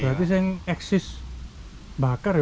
berarti ini eksis bakar ya